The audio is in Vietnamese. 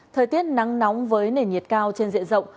thời tiết nắng nóng với nền nhiệt cao trên diện rộng